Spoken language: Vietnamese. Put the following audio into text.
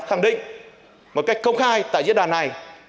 dám khẳng định một cách không khai tại diễn đoàn này